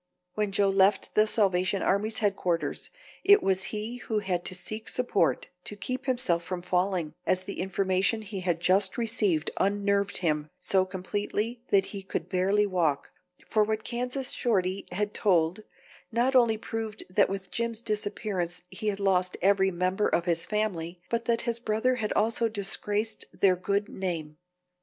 When Joe left the Salvation Army's headquarters it was he who had to seek support to keep himself from falling, as the information he had just received unnerved him so completely that he could barely walk, for what Kansas Shorty had told not only proved that with Jim's disappearance he had lost every member of his family, but that his brother had also disgraced their good name.